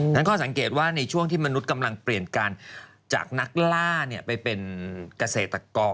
นั่นก็สังเกตว่าในช่วงที่มนุษย์กำลังเปลี่ยนการจากนักล่าไปเป็นเกษตรกร